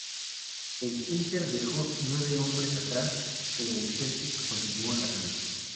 El Inter dejó nueve hombres atrás, pero el Celtic continuó atacando.